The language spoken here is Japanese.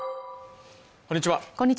こんにちは